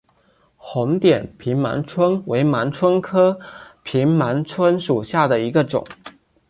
红点平盲蝽为盲蝽科平盲蝽属下的一个种。